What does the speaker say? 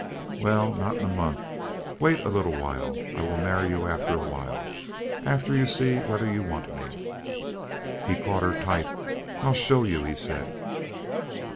"Well, not in a month. Wait a little while. I will marry you after a while—after you see whether you want me." He caught her tight. "I'll show you," he said.